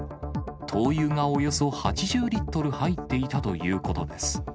灯油がおよそ８０リットル入っていたということです。